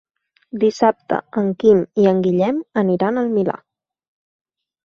Dissabte en Quim i en Guillem aniran al Milà.